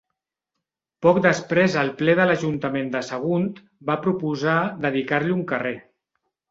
Poc després el ple de l'ajuntament de Sagunt va proposar dedicar-li un carrer.